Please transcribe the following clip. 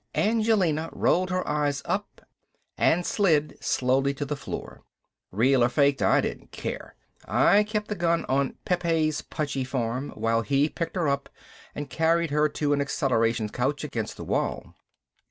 Angelina rolled her eyes up and slid slowly to the floor. Real or faked, I didn't care. I kept the gun on Pepe's pudgy form while he picked her up and carried her to an acceleration couch against the wall.